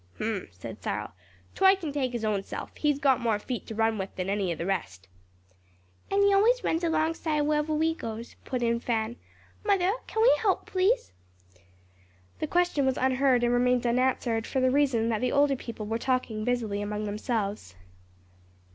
"H'm!" said Cyril, "Toy can take his own self; he's got more feet to run with than any of the rest." "And he always runs alongside wherever we goes," put in Fan. "Mother can we help move?" The question was unheard and remained unanswered; for the reason that the older people were talking busily among themselves.